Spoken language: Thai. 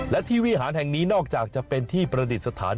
และที่วิหารแห่งนี้นอกจากจะเป็นที่ประดิษฐาน